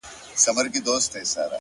ځوان ولاړ سو؛